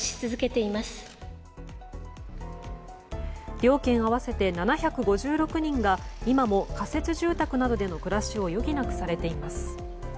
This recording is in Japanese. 両県合わせて７５６人が今も仮設住宅などでの暮らしを余儀なくされています。